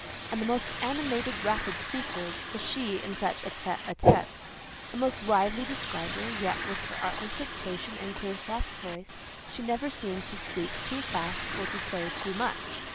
A most animated, rapid speaker was she in such a tête à tête, a most lively describer; yet with her artless diction and clear soft voice, she never seemed to speak too fast or to say too much.